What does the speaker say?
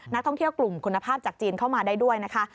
นักท่องเที่ยวกลุ่มคุณภาพจากจีนเข้ามาได้ด้วยนะคะ